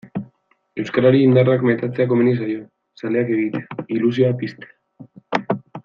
Euskarari indarrak metatzea komeni zaio, zaleak egitea, ilusioa piztea.